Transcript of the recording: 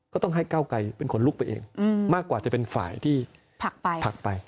ก็ต้องให้ก้าวไกลเป็นคนลุกไปเองมากกว่าจะเป็นฝ่ายที่ผลักไป